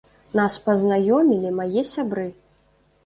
Нас пазнаёмілі мае сябры.